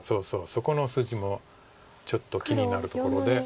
そこの筋もちょっと気になるところで。